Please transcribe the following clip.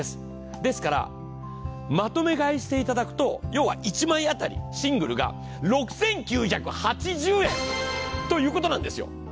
ですから、まとめ買いしていただくと、要は１枚当たりシングルが６９８０円ということなんですよ。